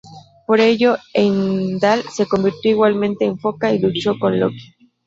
Por ello, Heimdal se convirtió igualmente en foca y luchó con Loki.